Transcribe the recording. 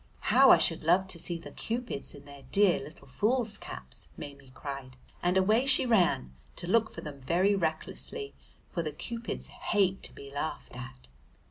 "How I should love to see the Cupids in their dear little fools' caps!" Maimie cried, and away she ran to look for them very recklessly, for the Cupids hate to be laughed at.